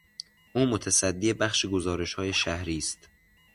او متصدی بخش گزارشهای شهری است.